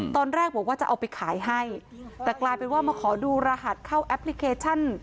ตอนแรกบอกว่าจะเอาไปขายให้แต่กลายเป็นว่ามาขอดูรหัสเข้าแอปพลิเคชัน